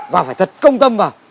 và phải thật công tâm vào